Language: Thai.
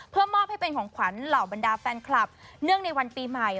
เพื่อมอบให้เป็นของขวัญเหล่าบรรดาแฟนคลับเนื่องในวันปีใหม่